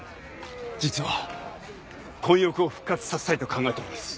実は混浴を復活させたいと考えております